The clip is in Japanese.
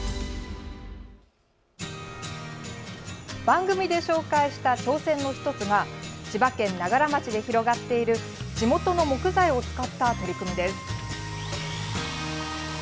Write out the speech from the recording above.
番組で紹介した挑戦の１つが千葉県長柄町で広がっている地元の木材を使った取り組みです。